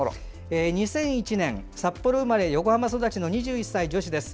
２００１年札幌生まれ横浜育ちの２１歳女子です。